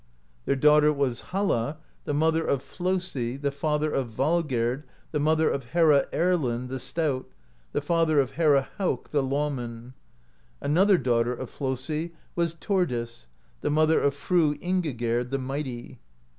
Their daughter was Halla, tlie mother of Flosi, the father of Valgerd, the mother of Herra Erlend, the Stout, the father of Herra Hauk the Lawman, Another daughter of Flosi was Thordis, the mother of Fru Ingigerd the Mighty.